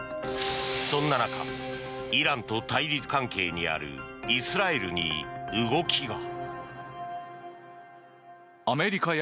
そんな中イランと対立関係にあるイスラエルに動きが。